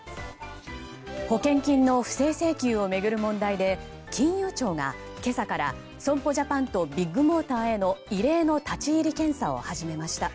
保険金の不正請求を巡る問題で金融庁が今朝から損保ジャパンとビッグモーターへの異例の立ち入り検査を始めました。